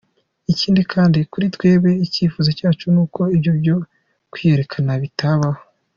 Ikindi kandi, kuri twebwe, icyifuzo cyacu ni uko ibyo byo kwiyerekana bitabaho.